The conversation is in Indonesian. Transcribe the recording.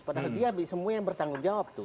padahal dia semua yang bertanggung jawab tuh